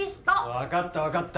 わかったわかった。